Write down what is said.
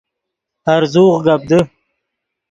ہرزوغ گپ دے